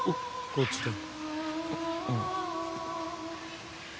こっちだ。